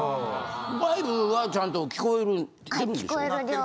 バイブはちゃんと聞こえてるんでしょう？